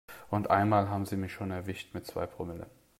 Und einmal haben sie mich schon erwischt mit zwei Promille.